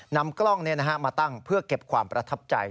นำกล้องมาตั้งเพื่อเก็บความประทับใจ